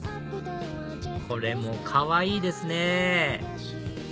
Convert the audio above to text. これもかわいいですね！